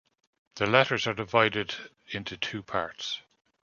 The letters are divided into two parts.